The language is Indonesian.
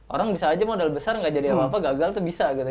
orang bisa aja modal besar nggak jadi apa apa gagal tuh bisa gitu